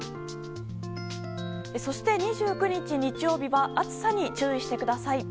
そして２９日、日曜日は暑さに注意してください。